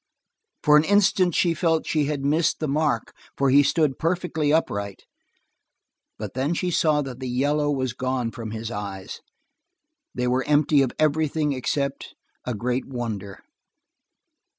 For an instant she felt that she missed the mark, for he stood perfectly upright, but when she saw that the yellow was gone from his eyes. They were empty of everything except a great wonder.